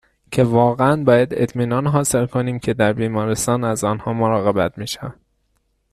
که واقعاً باید اطمینان حاصل کنیم که در بیمارستان از آنها مراقبت میشود